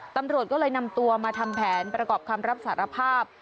ตำรวจก็เลยนำตัวมาทำแผนประกอบคำรับสารภาพ